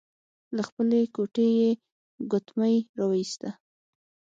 له خپلې ګوتې يې ګوتمۍ را وايسته.